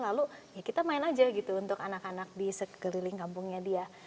lalu ya kita main aja gitu untuk anak anak di sekeliling kampungnya dia